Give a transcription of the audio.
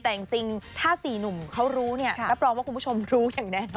แต่จริงถ้า๔หนุ่มเขารู้เนี่ยรับรองว่าคุณผู้ชมรู้อย่างแน่นอน